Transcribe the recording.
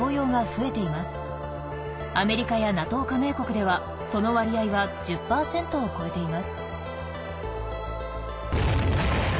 アメリカやＮＡＴＯ加盟国ではその割合は１０％を超えています。